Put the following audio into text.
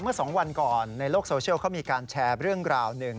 เมื่อ๒วันก่อนในโลกโซเชียลเขามีการแชร์เรื่องราวหนึ่ง